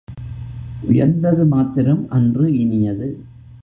உயர்ந்தது மாத்திரம் அன்று இனியது.